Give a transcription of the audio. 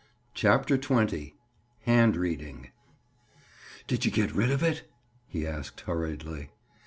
CHAPTER XX—HAND READING "Did you get rid of it?" he asked hurriedly.